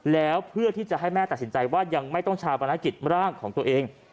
แล้วเพื่อที่จะให้แม่ตัดสินใจว่ายังไม่ต้องชาปนกิจร่างของตัวเอง